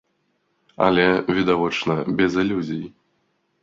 Але, відавочна, без ілюзій.